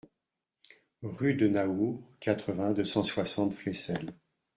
Rue de Naours, quatre-vingts, deux cent soixante Flesselles